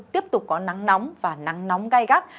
tiếp tục có nắng nóng và nắng nóng gai gắt